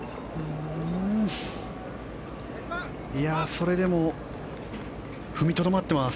それでも踏みとどまってます。